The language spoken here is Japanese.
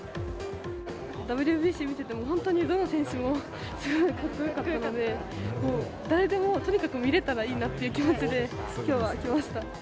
ＷＢＣ見てても、本当にどの選手もすごいかっこよかったので、もう誰でも、とにかく見れたらいいなっていう気持ちできょうは来ました。